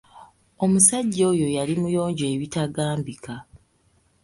Omusajja oyo yali muyonjo ebitambika.